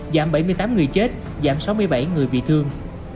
giảm bảy mươi tám người chết giảm sáu mươi bảy người bị thương